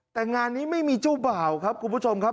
แต่งานนี้ไม่มีเจ้าบ่าวครับคุณผู้ชมครับ